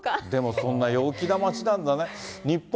でもそんな陽気な街なんだね。